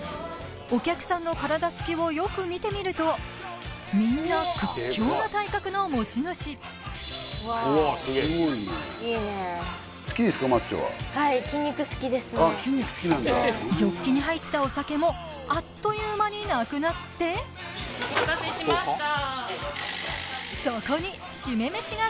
お客さんの体つきをよく見てみるとみんな屈強な体格の持ち主いいねジョッキに入ったお酒もあっという間になくなってお待たせしました